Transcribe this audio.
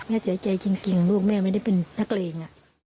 เสียใจจริงลูกแม่ไม่ได้เป็นนักเลง